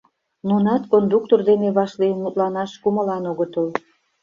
Нунат кондуктор дене вашлийын мутланаш кумылан огытыл.